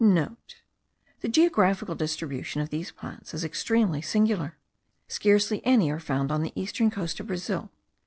(* The geographical distribution of these plants is extremely singular. Scarcely any are found on the eastern coast of Brazil.